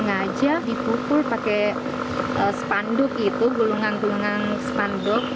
sengaja dipukul pakai spanduk itu gulungan gulungan spanduk